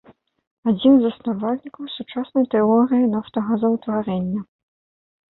Адзін з заснавальнікаў сучаснай тэорыі нафтагазаўтварэння.